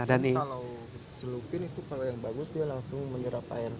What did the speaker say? kalau celupin itu kalau yang bagus dia langsung menyerap air